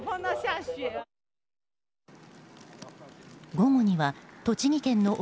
午後には栃木県の奥